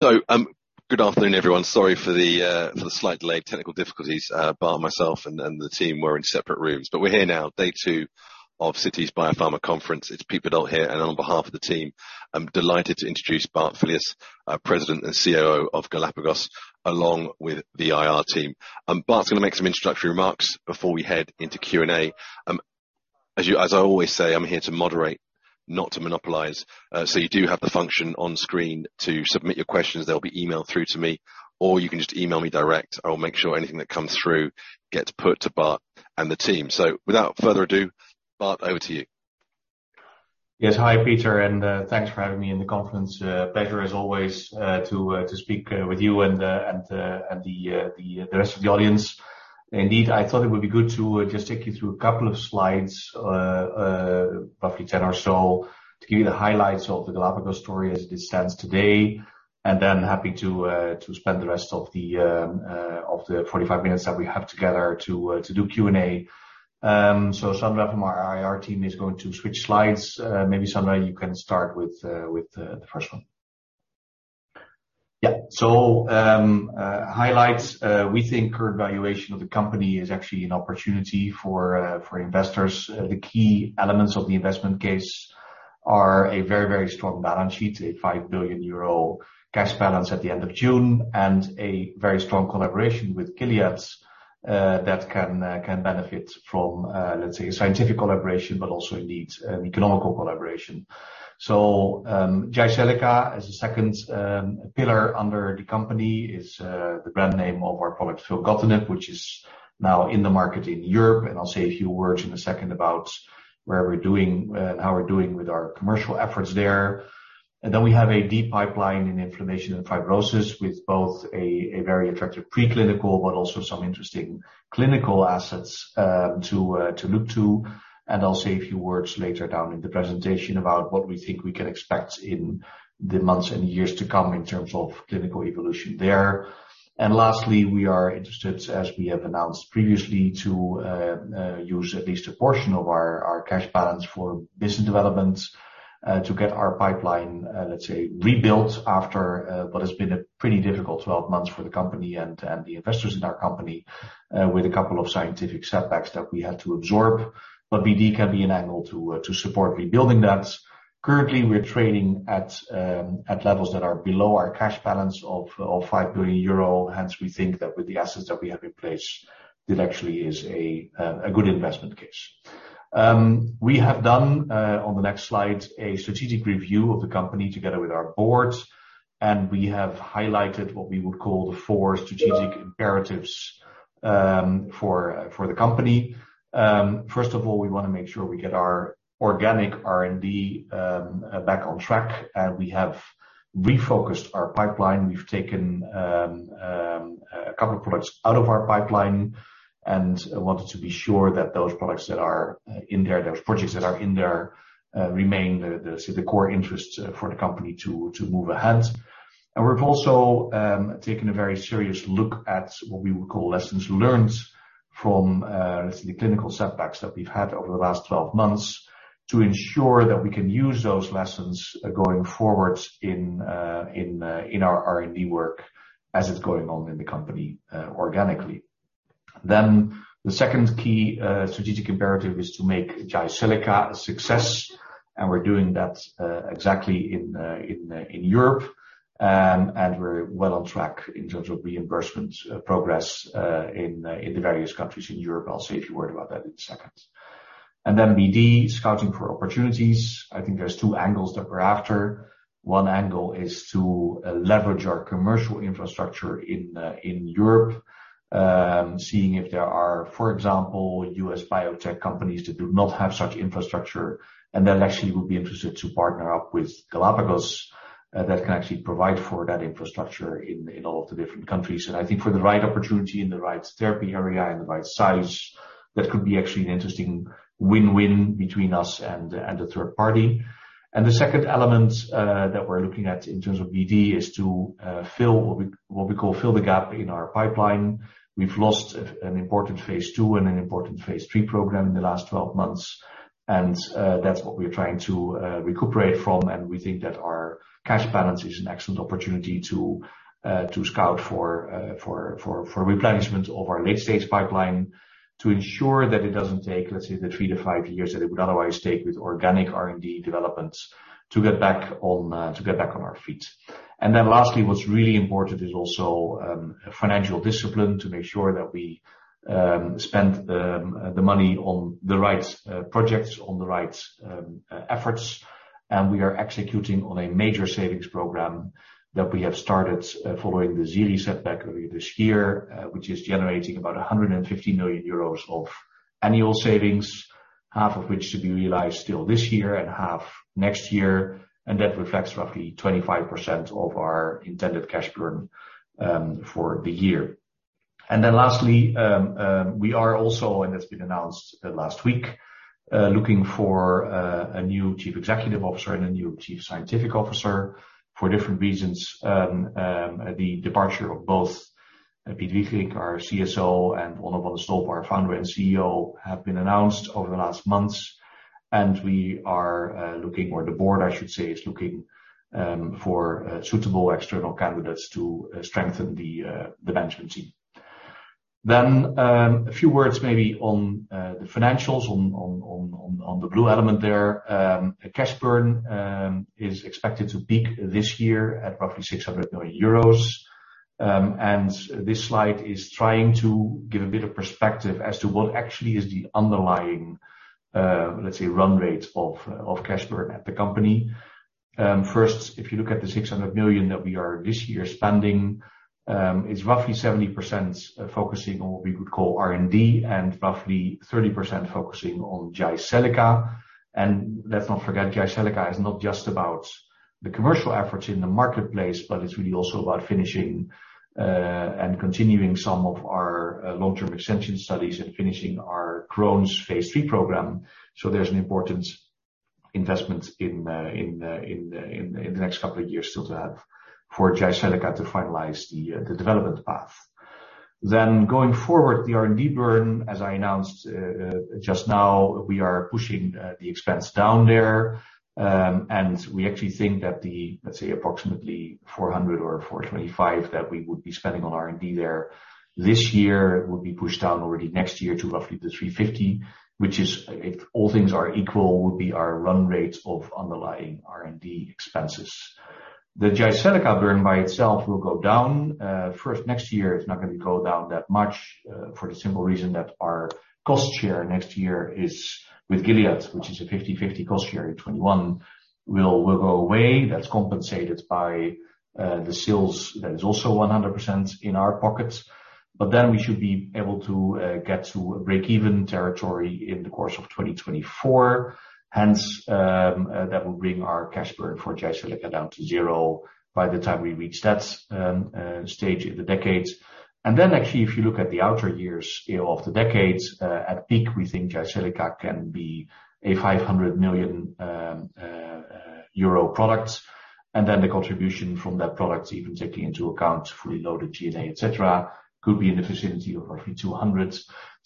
Good afternoon, everyone. Sorry for the slight delay, technical difficulties. Bart, myself, and the team were in separate rooms. We're here now, day two of Citi's BioPharma Conference. It's Peter Verdult here, and on behalf of the team, I'm delighted to introduce Bart Filius, President and COO of Galapagos, along with the IR team. Bart's going to make some introductory remarks before we head into Q&A. As I always say, I'm here to moderate, not to monopolize. You do have the function on screen to submit your questions, they'll be emailed through to me, or you can just email me directly. I will make sure anything that comes through gets put to Bart and the team. Without further ado, Bart, over to you. Yes. Hi, Peter, thanks for having me in the conference. Pleasure as always, to speak with you and the rest of the audience. Indeed, I thought it would be good to just take you through a couple of slides, roughly 10 or so, to give you the highlights of the Galapagos story as it stands today. Happy to spend the rest of the 45 minutes that we have together to do Q&A. Sandra from our IR team is going to switch slides. Maybe, Sandra, you can start with the first one. Highlights. We think current valuation of the company is actually an opportunity for investors. The key elements of the investment case are a very strong balance sheet, a 5 billion euro cash balance at the end of June, and a very strong collaboration with Gilead, that can benefit from, let's say, a scientific collaboration, but also indeed, economical collaboration. Jyseleca as a second pillar under the company is the brand name of our product filgotinib, which is now in the market in Europe. I'll say a few words in a second about where we're doing and how we're doing with our commercial efforts there. We have a deep pipeline in inflammation and fibrosis, with both a very attractive preclinical, but also some interesting clinical assets to look to. I'll say a few words later down in the presentation about what we think we can expect in the months and years to come in terms of clinical evolution there. Lastly, we are interested, as we have announced previously, to use at least a portion of our cash balance for business development, to get our pipeline, let's say, rebuilt after what has been a pretty difficult 12 months for the company and the investors in our company, with a couple of scientific setbacks that we had to absorb. BD can be an angle to support rebuilding that. Currently, we are trading at levels that are below our cash balance of 5 billion euro. Hence, we think that with the assets that we have in place, it actually is a good investment case. We have done, on the next slide, a strategic review of the company together with our board, and we have highlighted what we would call the four strategic imperatives for the company. First of all, we want to make sure we get our organic R&D back on track, and we have refocused our pipeline. We've taken a couple of products out of our pipeline and wanted to be sure that those products that are in there, those projects that are in there, remain the core interests for the company to move ahead. We've also taken a very serious look at what we would call lessons learned from, let's say, the clinical setbacks that we've had over the last 12 months to ensure that we can use those lessons going forward in our R&D work, as it's going on in the company organically. The second key strategic imperative is to make Jyseleca a success. We're doing that exactly in Europe. We're well on track in terms of reimbursement progress in the various countries in Europe. I'll say a few word about that in a second. BD, scouting for opportunities. I think there's two angles that we're after. One angle is to leverage our commercial infrastructure in Europe, seeing if there are, for example, U.S. biotech companies that do not have such infrastructure, and that actually would be interested to partner up with Galapagos, that can actually provide for that infrastructure in all of the different countries. I think for the right opportunity in the right therapy area and the right size, that could be actually an interesting win-win between us and the third party. The second element that we're looking at in terms of BD is to what we call fill the gap in our pipeline. We've lost an important phase II and an important phase III program in the last 12 months, and that's what we're trying to recuperate from. We think that our cash balance is an excellent opportunity to scout for replenishment of our late-stage pipeline to ensure that it doesn't take, let's say, the three to five years that it would otherwise take with organic R&D development to get back on our feet. Lastly, what's really important is also financial discipline to make sure that we spend the money on the right projects, on the right efforts. We are executing on a major savings program that we have started following the Ziri setback earlier this year, which is generating about 150 million euros of annual savings, half of which to be realized still this year and half next year. That reflects roughly 25% of our intended cash burn for the year. Lastly, we are also, and it's been announced last week, looking for a new Chief Executive Officer and a new Chief Scientific Officer for different reasons. The departure of both Piet Wigerinck, our CSO, and Onno van de Stolpe, our founder and CEO, have been announced over the last months. We are looking, or the board, I should say, is looking for suitable external candidates to strengthen the management team. A few words maybe on the financials, on the blue element there. Cash burn is expected to peak this year at roughly 600 million euros. This slide is trying to give a bit of perspective as to what actually is the underlying, let's say, run rate of cash burn at the company. If you look at the 600 million that we are this year spending, it's roughly 70% focusing on what we would call R&D and roughly 30% focusing on Jyseleca. Let's not forget, Jyseleca is not just about the commercial efforts in the marketplace, but it's really also about finishing and continuing some of our long-term extension studies and finishing our Crohn's phase III program. There's an important investment in the next couple of years still to have for Jyseleca to finalize the development path. Going forward, the R&D burn, as I announced just now, we are pushing the expense down there. We actually think that the, let's say, approximately 400 or 425 that we would be spending on R&D there this year will be pushed down already next year to roughly 350, which if all things are equal, would be our run rate of underlying R&D expenses. The Jyseleca burn by itself will go down. Next year, it's not going to go down that much for the simple reason that our cost share next year is with Gilead, which is a 50/50 cost share in 2021, will go away. That's compensated by the sales that is also 100% in our pockets. We should be able to get to a breakeven territory in the course of 2024. That will bring our cash burn for Jyseleca down to zero by the time we reach that stage in the decade. Actually, if you look at the outer years of the decade, at peak, we think Jyseleca can be a 500 million euro product. The contribution from that product, even taking into account fully loaded G&A, et cetera, could be in the vicinity of roughly 200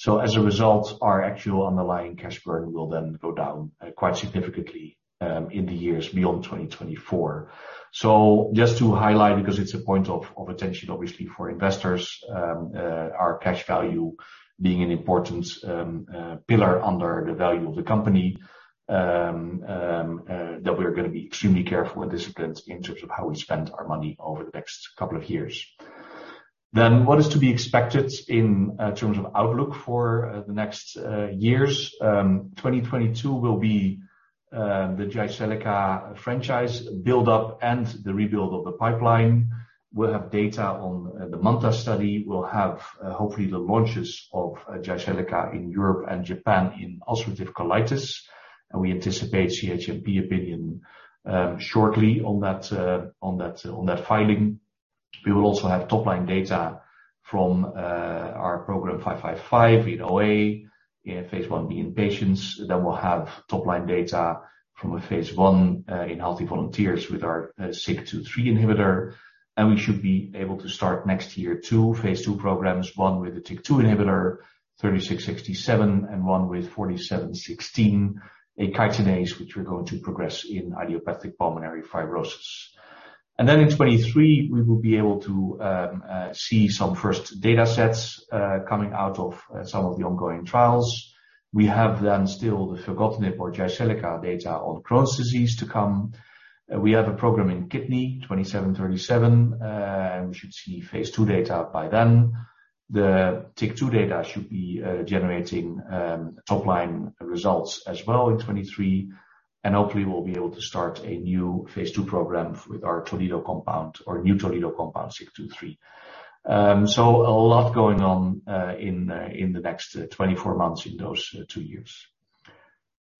million. As a result, our actual underlying cash burn will then go down quite significantly in the years beyond 2024. Just to highlight, because it's a point of attention, obviously, for investors, our cash value being an important pillar under the value of the company, that we are going to be extremely careful and disciplined in terms of how we spend our money over the next couple of years. What is to be expected in terms of outlook for the next years? 2022 will be the Jyseleca franchise buildup and the rebuild of the pipeline. We'll have data on the MANTA study. We'll have, hopefully, the launches of Jyseleca in Europe and Japan in ulcerative colitis, and we anticipate CHMP opinion shortly on that filing. We will also have top-line data from our program GLPG0555 in OA in phase I-B in patients. We'll have top-line data from a phase I in healthy volunteers with our SIK2/3 inhibitor, and we should be able to start next year two phase II programs, one with the TYK2 inhibitor GLPG3667 and one with GLPG4716, a chitinase, which we're going to progress in idiopathic pulmonary fibrosis. In 2023, we will be able to see some first data sets coming out of some of the ongoing trials. We have then still the filgotinib or Jyseleca data on Crohn's disease to come. We have a program in kidney, GLPG2737. We should see phase II data by then. The TYK2 data should be generating top-line results as well in 2023. Hopefully, we'll be able to start a new phase II program with our Toledo compound or new Toledo compound, GLPG0623. A lot going on in the next 24 months in those two years.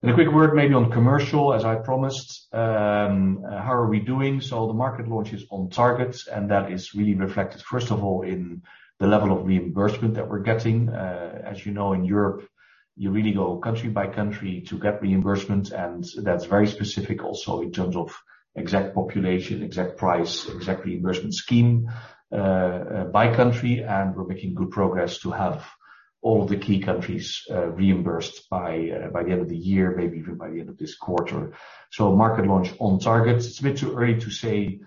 A quick word maybe on commercial, as I promised. How are we doing? The market launch is on target, and that is really reflected, first of all, in the level of reimbursement that we're getting. As you know, in Europe, you really go country by country to get reimbursement, and that's very specific also in terms of exact population, exact price, exact reimbursement scheme by country, and we're making good progress to have all the key countries reimbursed by the end of the year, maybe even by the end of this quarter. Market launch on target. It's a bit too early to say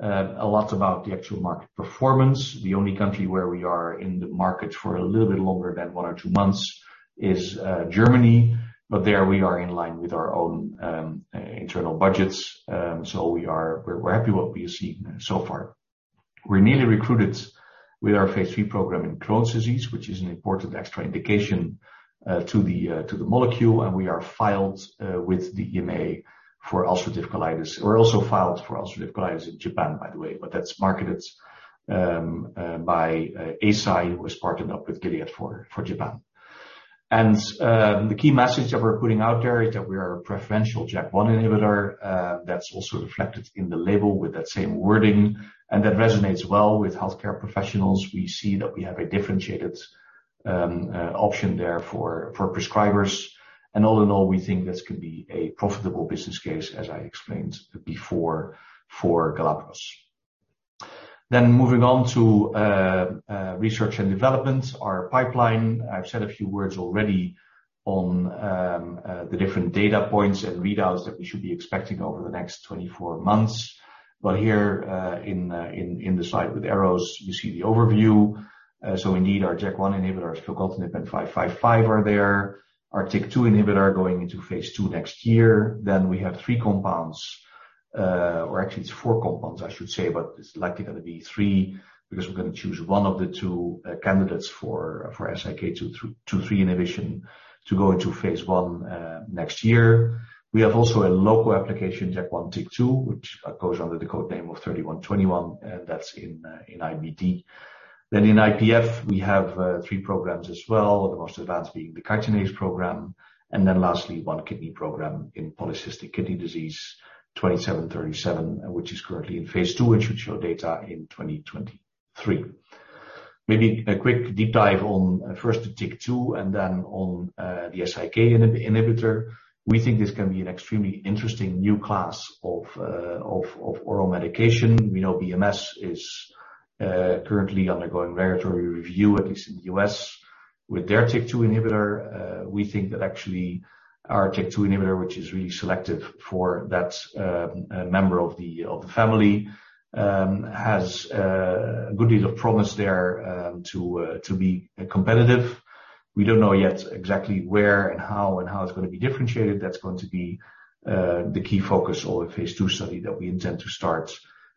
a lot about the actual market performance. The only country where we are in the market for a little bit longer than one or two months is Germany. There we are in line with our own internal budgets. We're happy what we are seeing so far. We're nearly recruited with our phase III program in Crohn's disease, which is an important extra indication to the molecule. We are filed with the EMA for ulcerative colitis. We're also filed for ulcerative colitis in Japan, by the way. That's marketed by Eisai, who has partnered up with Gilead for Japan. The key message that we're putting out there is that we are a preferential JAK1 inhibitor. That's also reflected in the label with that same wording. That resonates well with healthcare professionals. We see that we have a differentiated option there for prescribers. All in all, we think this could be a profitable business case, as I explained before, for Galapagos. Then moving on to Research & Development, our pipeline. I've said a few words already on the different data points and readouts that we should be expecting over the next 24 months. Here in the slide with arrows, you see the overview. Indeed, our JAK1 inhibitor filgotinib, and GLPG0555 are there. Our TYK2 inhibitor are going into phase II next year. We have three compounds, or actually it's four compounds, I should say, but it's likely going to be three because we're going to choose one of the two candidates for SIK2/3 inhibition to go into phase I next year. We have also a local application, JAK1/TYK2, which goes under the code name of GLPG3121, and that's in IBD. In IPF, we have three programs as well, the most advanced being the chitinase program. Lastly, one kidney program in polycystic kidney disease, GLPG2737, which is currently in phase II and should show data in 2023. Maybe a quick deep dive on first the TYK2 and then on the SIK inhibitor. We think this can be an extremely interesting new class of oral medication. We know BMS is currently undergoing regulatory review, at least in the U.S., with their TYK2 inhibitor. We think that actually our TYK2 inhibitor, which is really selective for that member of the family, has a good deal of promise there to be competitive. We don't know yet exactly where and how and how it's going to be differentiated. That's going to be the key focus of the phase II study that we intend to start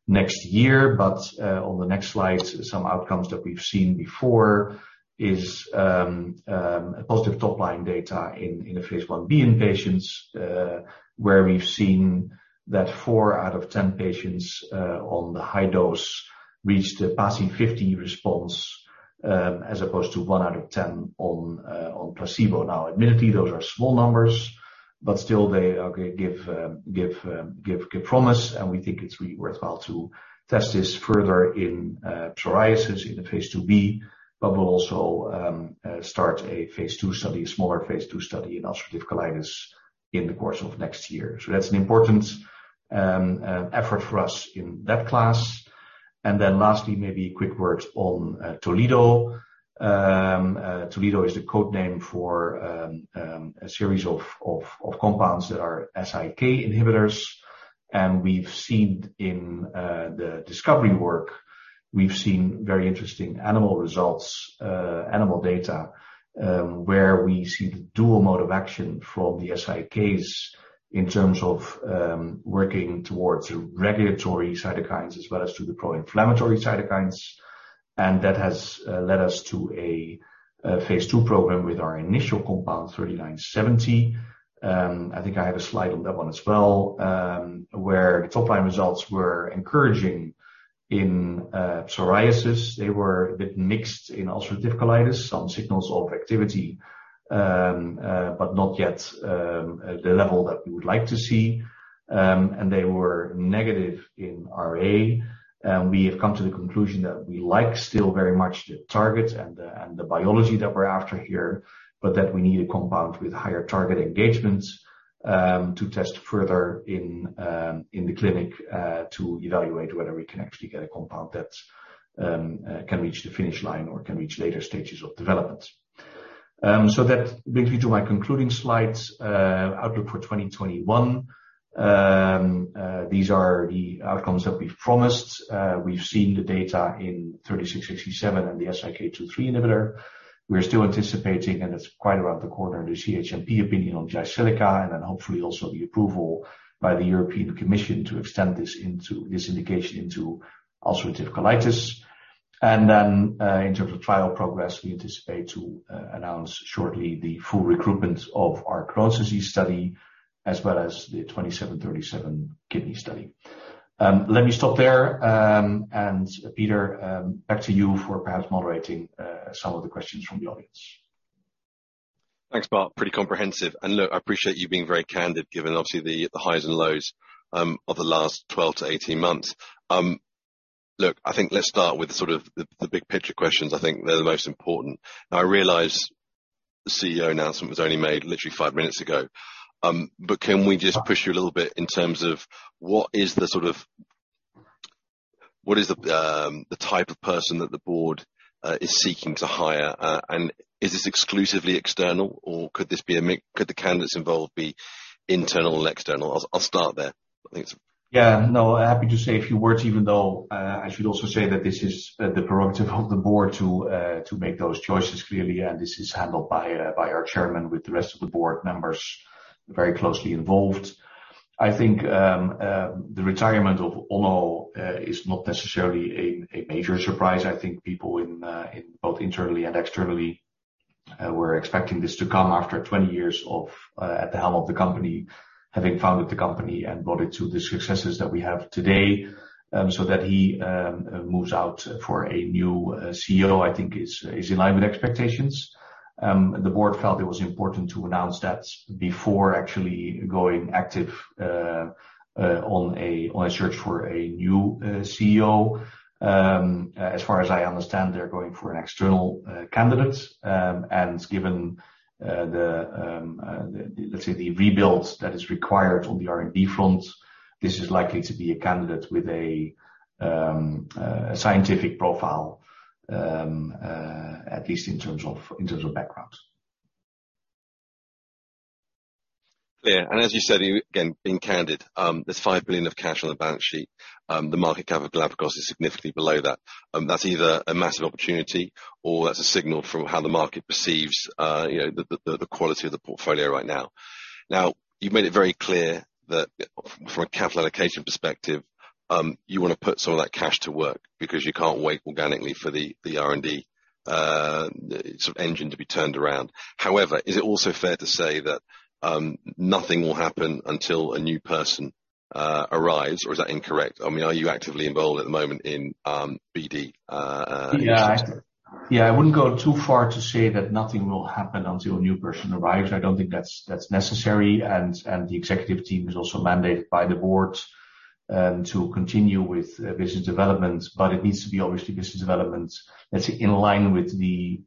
next year. On the next slide, some outcomes that we've seen before is positive top-line data in a phase I-B in patients, where we've seen that 4 out of 10 patients on the high dose reached a PASI 50 response, as opposed to 1 out of 10 on placebo. Now, admittedly, those are small numbers, still they give promise, we think it's really worthwhile to test this further in psoriasis in the phase II-B, we'll also start a phase II study, a smaller phase II study in ulcerative colitis in the course of next year. That's an important effort for us in that class. Lastly, maybe quick words on Toledo. Toledo is the code name for a series of compounds that are SIK inhibitors. We've seen in the discovery work, we've seen very interesting animal results, animal data, where we see the dual mode of action from the SIKs in terms of working towards regulatory cytokines as well as to the pro-inflammatory cytokines. That has led us to a phase II program with our initial compound GLPG3970. I think I have a slide on that one as well, where the top-line results were encouraging in psoriasis. They were a bit mixed in ulcerative colitis, some signals of activity, but not yet the level that we would like to see, and they were negative in RA. We have come to the conclusion that we like still very much the targets and the biology that we're after here, but that we need a compound with higher target engagements to test further in the clinic to evaluate whether we can actually get a compound that can reach the finish line or can reach later stages of development. That brings me to my concluding slides, outlook for 2021. These are the outcomes that we've promised. We've seen the data in GLPG3667 and the SIK2/3 inhibitor. We're still anticipating, and it's quite around the corner, the CHMP opinion on Jyseleca, and then hopefully also the approval by the European Commission to extend this indication into ulcerative colitis. In terms of trial progress, we anticipate to announce shortly the full recruitment of our Crohn's disease study, as well as the Let me stop there, and Peter, back to you for perhaps moderating some of the questions from the audience. Thanks, Bart. Pretty comprehensive. Look, I appreciate you being very candid, given obviously the highs and lows of the last 12-18 months. Look, I think let's start with sort of the big picture questions. I think they're the most important. I realize the CEO announcement was only made literally five minutes ago, but can we just push you a little bit in terms of what is the type of person that the board is seeking to hire? Is this exclusively external, or could the candidates involved be internal and external? I'll start there. Yeah. No, happy to say a few words, even though I should also say that this is the prerogative of the Board to make those choices clearly, this is handled by our Chairman with the rest of the Board members very closely involved. I think the retirement of Onno is not necessarily a major surprise. I think people both internally and externally were expecting this to come after 20 years at the helm of the company, having founded the company and brought it to the successes that we have today. That he moves out for a new CEO, I think is in line with expectations. The Board felt it was important to announce that before actually going active on a search for a new CEO. As far as I understand, they're going for an external candidate. Given the, let's say, the rebuild that is required on the R&D front. This is likely to be a candidate with a scientific profile, at least in terms of backgrounds. Clear. As you said, again, being candid, there's 5 billion of cash on the balance sheet. The market cap of Galapagos is significantly below that. That's either a massive opportunity or that's a signal from how the market perceives the quality of the portfolio right now. You've made it very clear that from a capital allocation perspective, you want to put some of that cash to work because you can't wait organically for the R&D engine to be turned around. Is it also fair to say that nothing will happen until a new person arrives, or is that incorrect? Are you actively involved at the moment in BD? Yeah. I wouldn't go too far to say that nothing will happen until a new person arrives. I don't think that's necessary. The executive team is also mandated by the board to continue with business development. It needs to be, obviously, business development that's in line with the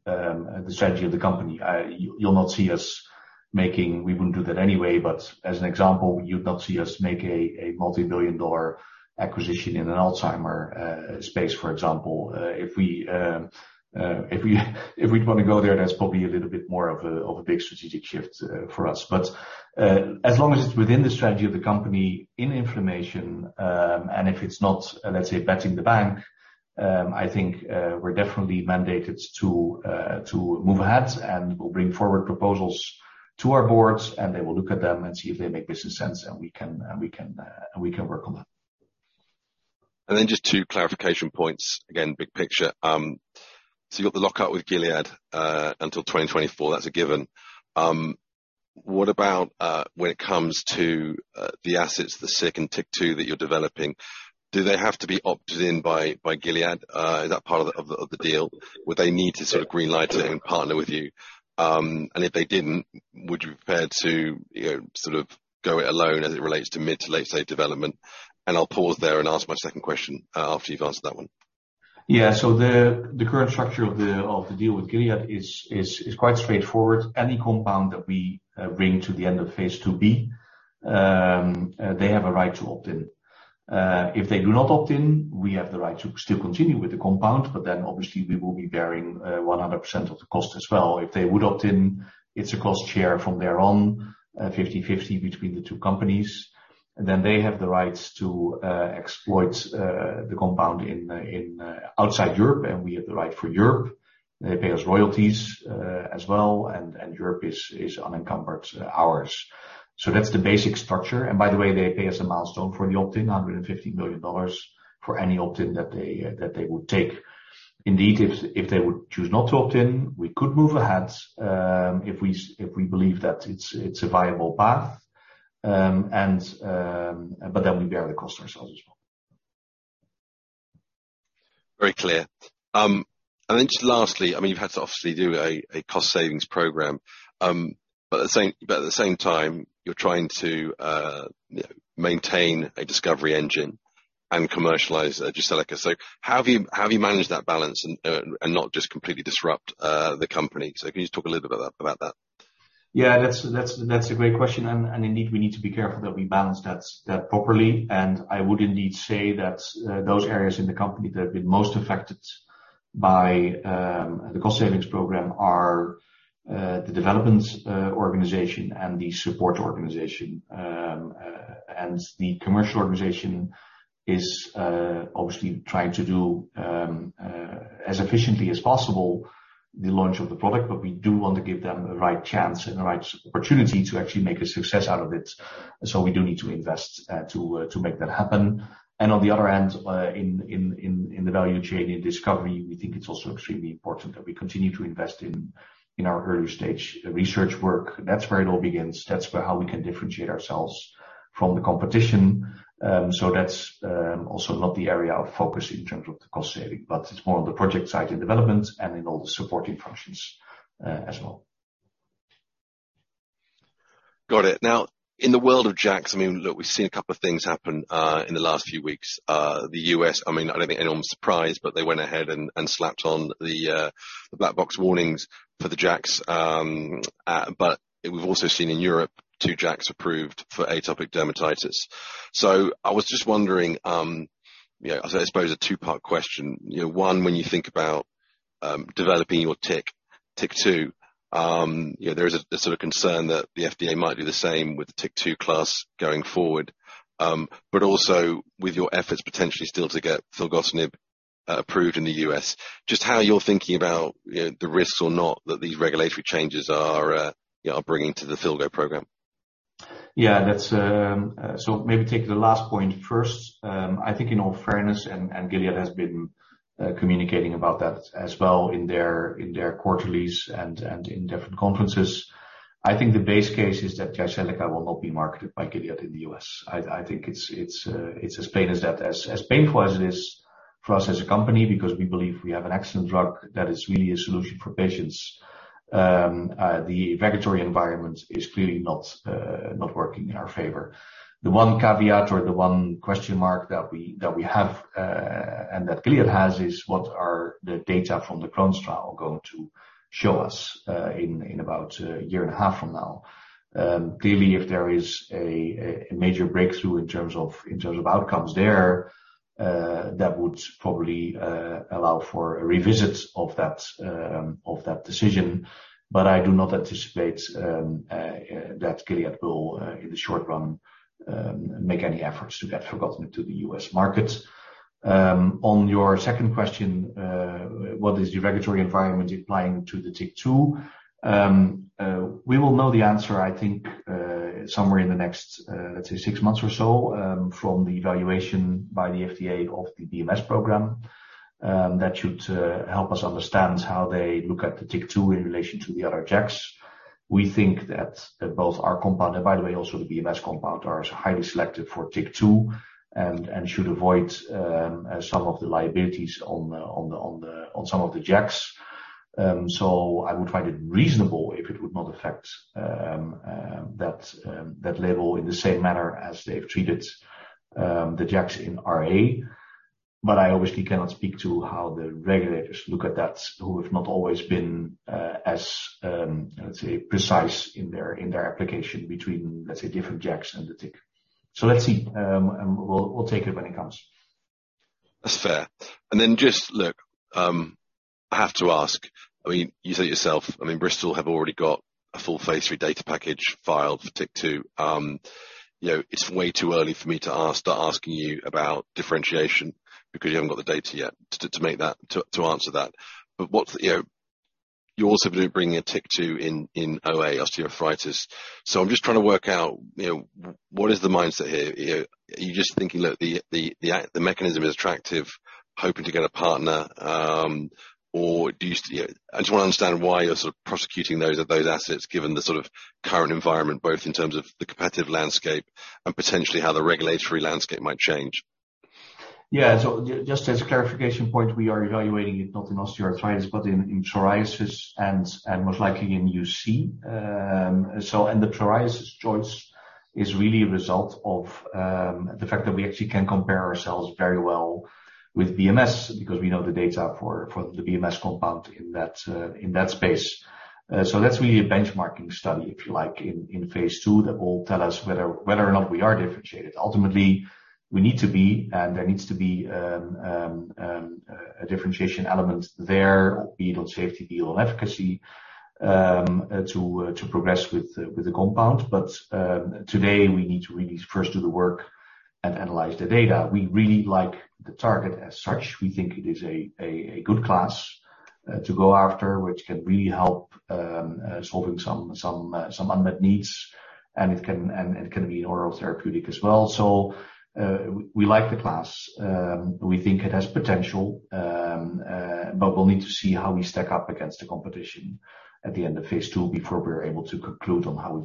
strategy of the company. You'll not see us making. We wouldn't do that anyway. As an example, you'd not see us make a multibillion-dollar acquisition in an Alzheimer space, for example. If we'd want to go there, that's probably a little bit more of a big strategic shift for us. As long as it's within the strategy of the company in inflammation, and if it's not, let's say, betting the bank, I think, we're definitely mandated to move ahead and we'll bring forward proposals to our boards and they will look at them and see if they make business sense, and we can work on that. Just two clarification points. Again, big picture. You got the lockout with Gilead, until 2024. That's a given. What about, when it comes to the assets, the SIK and TYK2 that you're developing, do they have to be opted in by Gilead? Is that part of the deal? Would they need to sort of green-light and partner with you? If they didn't, would you be prepared to sort of go it alone as it relates to mid- to late-stage development? I'll pause there and ask my second question after you've answered that one. Yeah. The current structure of the deal with Gilead is quite straightforward. Any compound that we bring to the end of phase II-B, they have a right to opt in. If they do not opt in, we have the right to still continue with the compound, obviously we will be bearing 100% of the cost as well. If they would opt in, it's a cost share from there on, 50/50 between the two companies. They have the rights to exploit the compound outside Europe, and we have the right for Europe. They pay us royalties as well, Europe is unencumbered ours. That's the basic structure. By the way, they pay us a milestone for the opt-in, $150 million for any opt-in that they would take. Indeed, if they would choose not to opt in, we could move ahead if we believe that it's a viable path, but then we bear the cost ourselves as well. Very clear. Just lastly, you've had to obviously do a cost savings program. At the same time, you're trying to maintain a discovery engine and commercialize Jyseleca. How have you managed that balance and not just completely disrupt the company? Can you just talk a little bit about that? That's a great question, indeed, we need to be careful that we balance that properly. I would indeed say that those areas in the company that have been most affected by the cost savings program are the development organization and the support organization. The commercial organization is obviously trying to do as efficiently as possible the launch of the product, but we do want to give them the right chance and the right opportunity to actually make a success out of it. We do need to invest to make that happen. On the other end, in the value chain, in discovery, we think it's also extremely important that we continue to invest in our early-stage research work. That's where it all begins. That's how we can differentiate ourselves from the competition. That's also not the area of focus in terms of the cost saving, but it's more on the project side, in development and in all the supporting functions as well. Got it. In the world of JAKs, look, we've seen a couple of things happen in the last few weeks. The U.S., I don't think anyone's surprised, they went ahead and slapped on the black box warnings for the JAKs. We've also seen in Europe two JAKs approved for atopic dermatitis. I was just wondering, I suppose a two-part question. One, when you think about developing your TYK2, there is a sort of concern that the FDA might do the same with the TYK2 class going forward. Also with your efforts potentially still to get filgotinib approved in the U.S., just how you're thinking about the risks or not that these regulatory changes are bringing to the filgo program. Maybe take the last point first. In all fairness, Gilead has been communicating about that as well in their quarterlies and in different conferences. The base case is that Jyseleca will not be marketed by Gilead in the U.S. It's as plain as that. As painful as it is for us as a company because we believe we have an excellent drug that is really a solution for patients. The regulatory environment is clearly not working in our favor. The one caveat or the one question mark that we have, and that Gilead has, is what are the data from the Crohn's trial going to show us in about a year and a half from now. If there is a major breakthrough in terms of outcomes there, that would probably allow for a revisit of that decision. I do not anticipate that Gilead will, in the short run, make any efforts to get filgotinib to the U.S. market. On your second question, what is the regulatory environment applying to the TYK2? We will know the answer, I think, somewhere in the next, let's say, six months or so from the evaluation by the FDA of the BMS program. That should help us understand how they look at the TYK2 in relation to the other JAKs. We think that both our compound, and by the way, also the BMS compound, are highly selective for TYK2, and should avoid some of the liabilities on some of the JAKs. I would find it reasonable if it would not affect that label in the same manner as they've treated the JAKs in RA. I obviously cannot speak to how the regulators look at that, who have not always been as, let's say, precise in their application between, let's say, different JAKs and the TYK. Let's see. We'll take it when it comes. That's fair. Just look, I have to ask. You say it yourself, Bristol have already got a full phase III data package filed for TYK2. It's way too early for me to start asking you about differentiation because you haven't got the data yet to answer that. You also going to be bringing a TYK2 in OA, osteoarthritis. I'm just trying to work out, what is the mindset here? Are you just thinking, look, the mechanism is attractive, hoping to get a partner. I just want to understand why you're sort of prosecuting those assets given the sort of current environment, both in terms of the competitive landscape and potentially how the regulatory landscape might change. Yeah. Just as a clarification point, we are evaluating it not in osteoarthritis, but in psoriasis and most likely in UC. The psoriasis choice is really a result of the fact that we actually can compare ourselves very well with BMS because we know the data for the BMS compound in that space. That's really a benchmarking study, if you like, in phase II that will tell us whether or not we are differentiated. Ultimately, we need to be, and there needs to be a differentiation element there, be it on safety, be it on efficacy, to progress with the compound. Today we need to really first do the work and analyze the data. We really like the target as such. We think it is a good class to go after, which can really help solving some unmet needs, and it can be oral therapeutic as well. We like the class. We think it has potential. We'll need to see how we stack up against the competition at the end of phase II before we're able to conclude on how we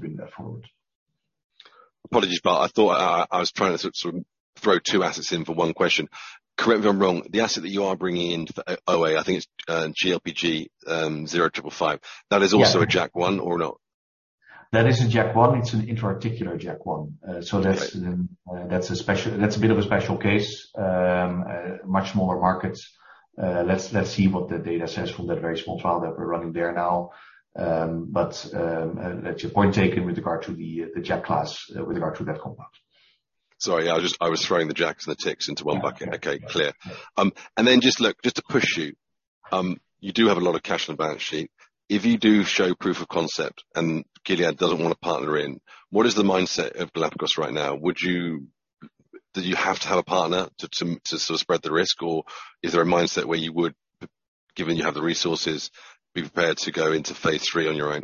bring that forward. Apologies, I thought I was trying to sort of throw two assets in for one question. Correct me if I'm wrong. The asset that you are bringing into the OA, I think it's GLPG0555. Yeah. That is also a JAK1 or not? That is a JAK1. It's an intra-articular JAK1. Great. That's a bit of a special case. Much smaller market. Let's see what the data says from that very small trial that we're running there now. That's your point taken with regard to the JAK class with regard to that compound. Sorry, I was throwing the JAKs and the TYKs into one bucket. Yeah. Okay. Clear. Just to push you. You do have a lot of cash on the balance sheet. If you do show proof of concept and Gilead doesn't want to partner in, what is the mindset of Galapagos right now? Do you have to have a partner to sort of spread the risk, or is there a mindset where you would, given you have the resources, be prepared to go into phase III on your own?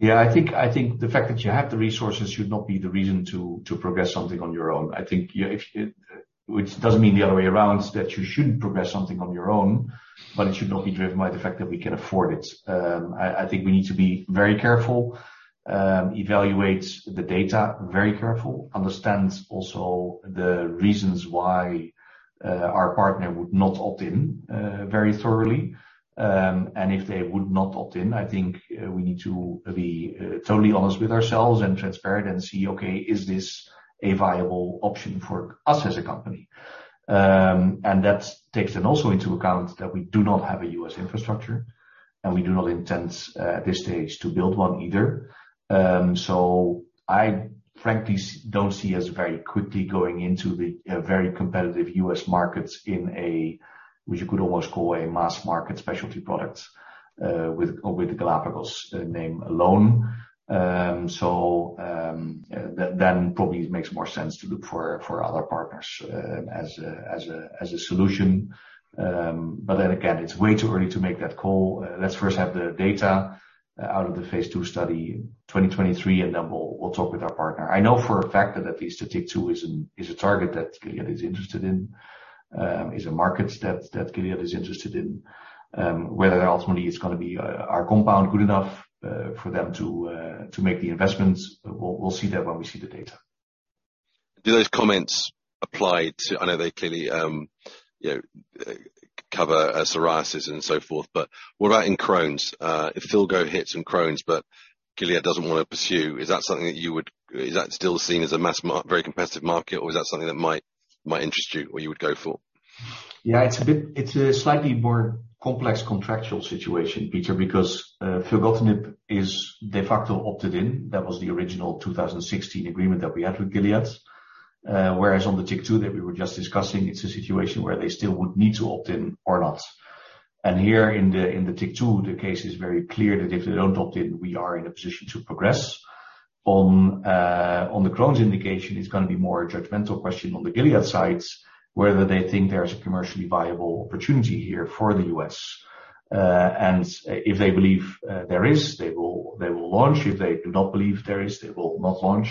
Yeah, I think the fact that you have the resources should not be the reason to progress something on your own. Which doesn't mean the other way around, that you shouldn't progress something on your own, but it should not be driven by the fact that we can afford it. I think we need to be very careful, evaluate the data very carefully, understand also the reasons why our partner would not opt in very thoroughly. If they would not opt in, I think we need to be totally honest with ourselves and transparent and see, okay, is this a viable option for us as a company? That takes then also into account that we do not have a U.S. infrastructure, and we do not intend at this stage to build one either. I frankly don't see us very quickly going into the very competitive U.S. markets in a, which you could almost call a mass market specialty product, with the Galapagos name alone. Probably it makes more sense to look for other partners as a solution. Again, it's way too early to make that call. Let's first have the data out of the phase II study 2023, and then we'll talk with our partner. I know for a fact that at least the TYK2 is a target that Gilead is interested in, is a market that Gilead is interested in. Whether ultimately it's going to be our compound good enough for them to make the investments, we'll see that when we see the data. Do those comments apply to, I know they clearly cover psoriasis and so forth, but what about in Crohn's? If filgotinib hits in Crohn's, but Gilead doesn't want to pursue, is that still seen as a very competitive market, or is that something that might interest you or you would go for? Yeah. It's a slightly more complex contractual situation, Peter, because filgotinib is de facto opted in. That was the original 2016 agreement that we had with Gilead. On the TYK2 that we were just discussing, it's a situation where they still would need to opt in or not. Here in the TYK2, the case is very clear that if they don't opt in, we are in a position to progress. On the Crohn's indication, it's going to be more a judgmental question on the Gilead side, whether they think there's a commercially viable opportunity here for the U.S. If they believe there is stable, they will launch. If they do not believe there is stable, they will not launch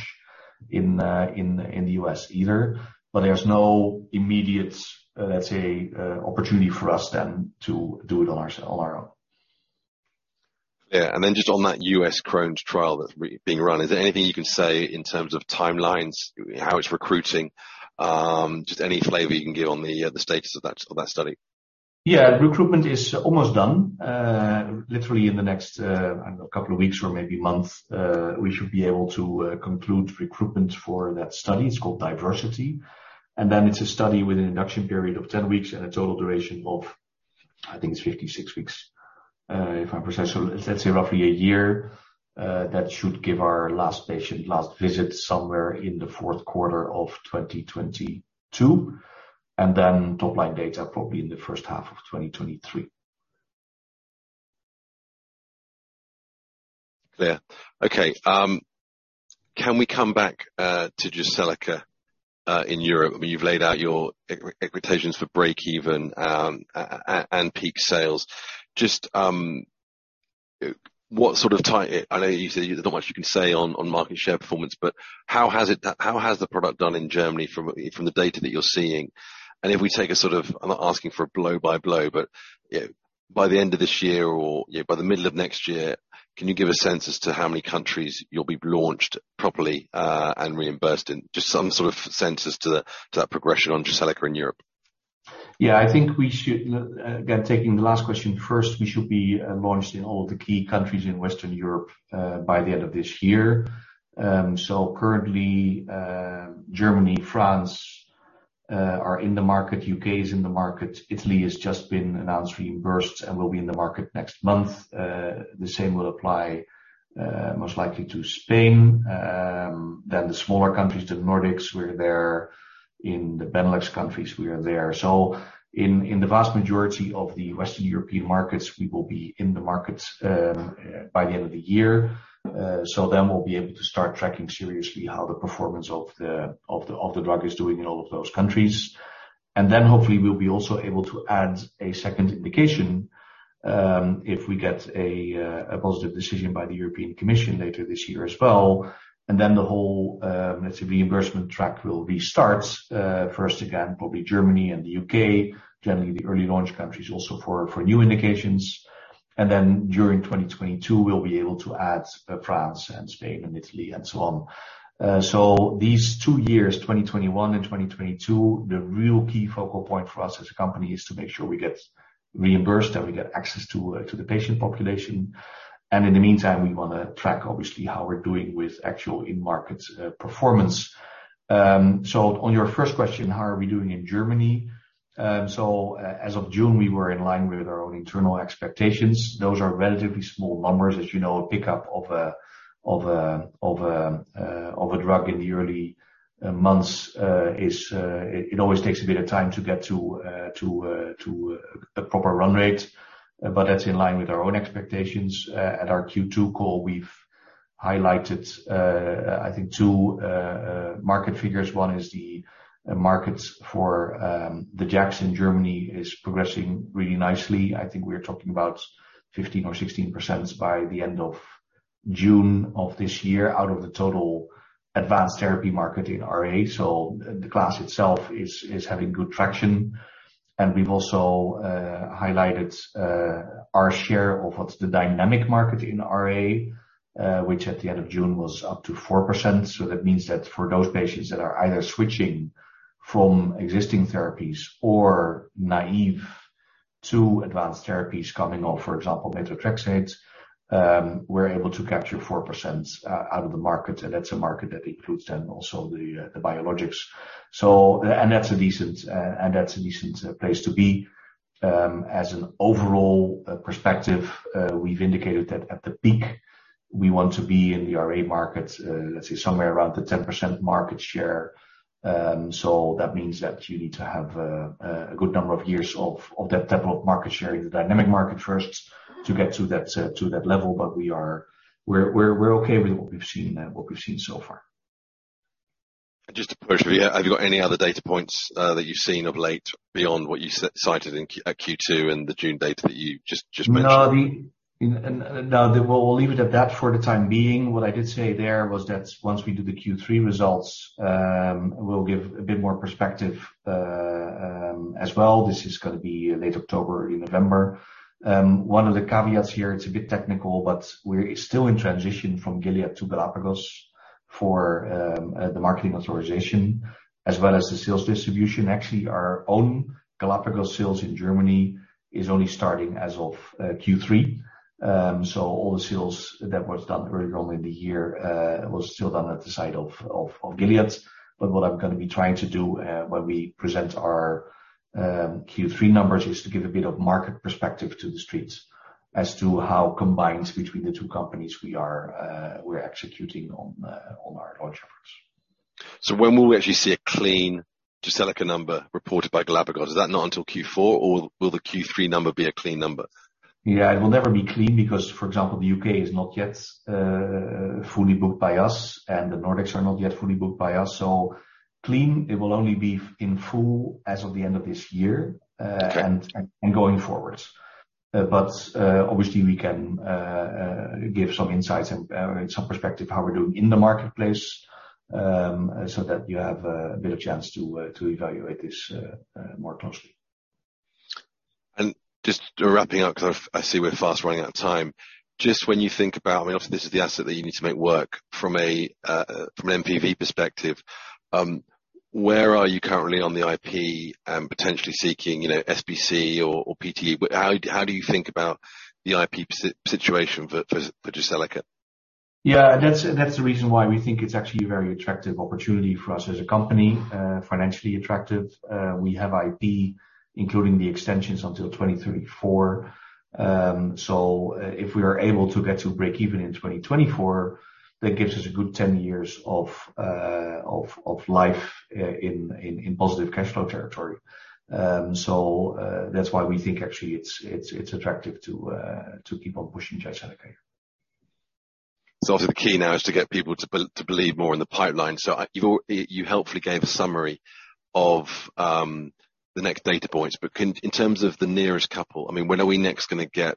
in the U.S. either. There's no immediate, let's say, opportunity for us then to do it on our own. Yeah. Just on that U.S. Crohn's trial that's being run, is there anything you can say in terms of timelines, how it's recruiting? Just any flavor you can give on the status of that study. Yeah. Recruitment is almost done. Literally in the next, I don't know, couple of weeks or maybe months, we should be able to conclude recruitment for that study. It's called DIVERSITY. It's a study with an induction period of 10 weeks and a total duration of, I think it's 56 weeks, if I'm precise. Let's say roughly a year. That should give our last patient last visit somewhere in the fourth quarter of 2022, top-line data probably in the first half of 2023. Clear. Okay. Can we come back to Jyseleca in Europe? I mean, you've laid out your equations for breakeven and peak sales. I know there's not much you can say on market share performance, but how has the product done in Germany from the data that you're seeing? And if we take a sort of, I'm not asking for a blow-by-blow, but by the end of this year or by the middle of next year, can you give a sense as to how many countries you'll be launched properly and reimbursed in? Just some sort of sense as to that progression on Jyseleca in Europe. Yeah. I think we should, again, taking the last question first, we should be launched in all the key countries in Western Europe by the end of this year. Currently Germany, France are in the market. U.K. is in the market. Italy has just been announced reimbursed and will be in the market next month. The same will apply, most likely to Spain. The smaller countries, the Nordics, we're there. In the Benelux countries, we are there. In the vast majority of the Western European markets, we will be in the markets by the end of the year. We'll be able to start tracking seriously how the performance of the drug is doing in all of those countries. Hopefully, we'll be also able to add a second indication if we get a positive decision by the European Commission later this year as well. Then the whole, let's say, reimbursement track will restart. First, again, probably Germany and the U.K., generally the early launch countries also for new indications. During 2022, we'll be able to add France and Spain and Italy and so on. These two years, 2021 and 2022, the real key focal point for us as a company is to make sure we get reimbursed and we get access to the patient population. In the meantime, we want to track obviously how we're doing with actual in-market performance. On your first question, how are we doing in Germany? As of June, we were in line with our own internal expectations. Those are relatively small numbers. As you know, a pickup of a drug in the early months, it always takes a bit of time to get to a proper run rate. That's in line with our own expectations. At our Q2 call, we've highlighted, I think two market figures. One is the markets for the JAKs in Germany is progressing really nicely. I think we're talking about 15% or 16% by the end of June of this year out of the total advanced therapy market in RA. The class itself is having good traction. We've also highlighted our share of what's the dynamic market in RA, which at the end of June was up to 4%. That means that for those patients that are either switching from existing therapies or naive to advanced therapies coming off, for example, methotrexate, we're able to capture 4% out of the market. That's a market that includes then also the biologics. That's a decent place to be. As an overall perspective, we've indicated that at the peak, we want to be in the RA market, let's say somewhere around the 10% market share. That means that you need to have a good number of years of that type of market share in the dynamic market first to get to that level. We're okay with what we've seen so far. Just to push, have you got any other data points that you've seen of late beyond what you cited at Q2 and the June data that you just mentioned? No. We'll leave it at that for the time being. What I did say there was that once we do the Q3 results, we'll give a bit more perspective as well. This is going to be late October, early November. One of the caveats here, it's a bit technical, we're still in transition from Gilead to Galapagos for the marketing authorization as well as the sales distribution. Actually, our own Galapagos sales in Germany is only starting as of Q3. All the sales that was done early on in the year was still done at the side of Gilead. What I'm going to be trying to do when we present our Q3 numbers is to give a bit of market perspective to the streets as to how combined between the two companies, we're executing on our launch efforts. When will we actually see a clean Jyseleca number reported by Galapagos? Is that not until Q4, or will the Q3 number be a clean number? Yeah, it will never be clean because, for example, the U.K. is not yet fully booked by us, and the Nordics are not yet fully booked by us. Clean, it will only be in full as of the end of this year. Okay Going forward. Obviously, we can give some insights and some perspective how we're doing in the marketplace, so that you have a better chance to evaluate this more closely. Just wrapping up because I see we're fast running out of time. Just when you think about, obviously, this is the asset that you need to make work from an NPV perspective, where are you currently on the IP and potentially seeking SPC or PTE? How do you think about the IP situation for Jyseleca? That's the reason why we think it's actually a very attractive opportunity for us as a company, financially attractive. We have IP, including the extensions until 2034. If we are able to get to breakeven in 2024, that gives us a good 10 years of life in positive cash flow territory. That's why we think actually it's attractive to keep on pushing Jyseleca. Obviously, the key now is to get people to believe more in the pipeline. You helpfully gave a summary of the next data points, but in terms of the nearest couple, when are we next going to get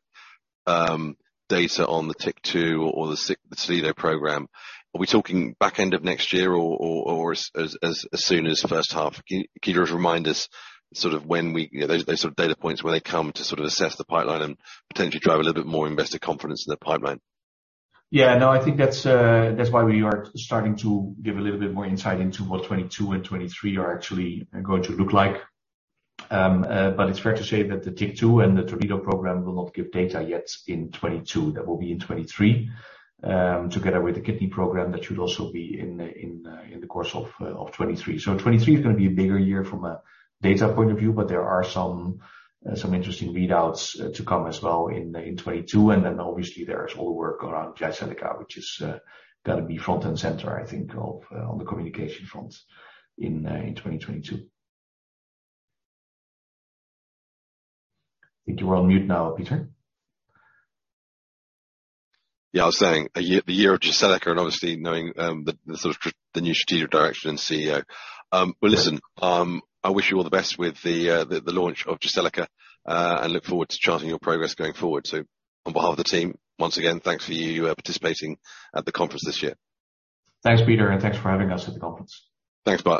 data on the TYK2 or the Toledo program? Are we talking back end of next year or as soon as first half? Can you just remind us those sort of data points when they come to sort of assess the pipeline and potentially drive a little bit more investor confidence in the pipeline? I think that's why we are starting to give a little bit more insight into what 2022 and 2023 are actually going to look like. It's fair to say that the TYK2 and the Toledo program will not give data yet in 2022. That will be in 2023, together with the kidney program. That should also be in the course of 2023. 2023 is going to be a bigger year from a data point of view, there are some interesting readouts to come as well in 2022. Obviously, there is all the work around Jyseleca, which is going to be front and center, I think, on the communication front in 2022. I think you are on mute now, Peter. Yeah, I was saying the year of Jyseleca, obviously knowing the new strategic direction and CEO. Well, listen. Yeah. I wish you all the best with the launch of Jyseleca, and look forward to charting your progress going forward, too. On behalf of the team, once again, thanks for you participating at the conference this year. Thanks, Peter, and thanks for having us at the conference. Thanks, Bart.